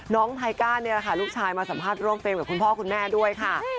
น้องไทก้าลูกชายมาสัมภาษณ์ร่วมเฟลมโดยคุณพ่อคุณแม่ส์ด้วยค่ะ